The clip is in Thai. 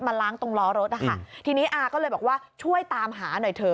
ล้างตรงล้อรถนะคะทีนี้อาก็เลยบอกว่าช่วยตามหาหน่อยเถอะ